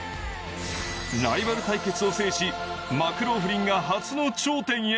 ライバル対決を制しマクローフリンが初の頂点へ。